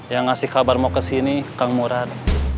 yang ngasih kabar mau kesini kang murad